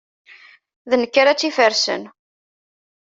D nekk ara tt-ifersen.